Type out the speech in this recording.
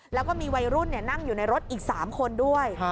แล้วก็มีวัยรุ่นนั่งอยู่ในรถอีก๓คนด้วย